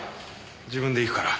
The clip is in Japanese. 自分で行くから。